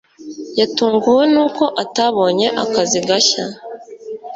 yatunguwe n'uko atabonye akazi gashya